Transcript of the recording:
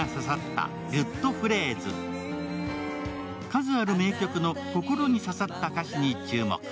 数ある名曲の心に刺さった歌詞に注目！